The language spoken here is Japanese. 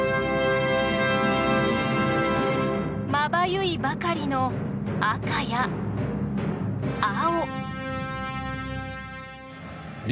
まばゆいばかりの赤や青。